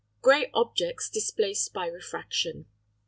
GREY OBJECTS DISPLACED BY REFRACTION.